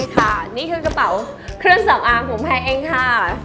ค่ะนี่คือกระเป๋าเครื่องสำอางผมแพงเองค่ะ